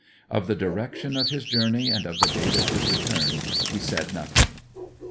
Of the direction of his journey and of the date of his return he said nothing.